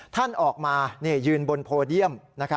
ท่านออกมายืนบนโพเดียม